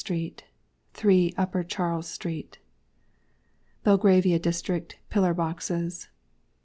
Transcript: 3 Upper Charles street. BELGRAVIA DISTRICT. PILLAR BOXES.